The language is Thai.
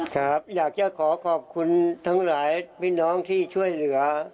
ครับอยากจะขอขอบคุณทั้งหลายพี่น้องที่ช่วยเหลือ